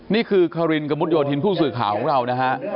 นี่คือคารินกระมุดโยธินผู้สื่อข่าวของเรานะฮะ